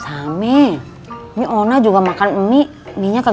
sami ini ona juga makan ini minyak enak